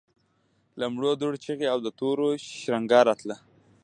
له مړو دوړو چيغې او د تورو شرنګا راتله.